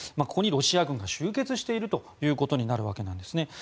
ここにロシア軍が集結しているということになるわけです。